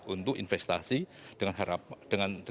untuk investasi dengan harapan